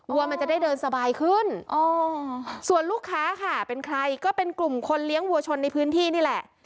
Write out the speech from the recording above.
วัวมันจะได้เดินสบายขึ้นส่วนลูกค้าค่ะเป็นใครก็เป็นกลุ่มคนเลี้ยงวัวชนในพื้นที่นี่แหละ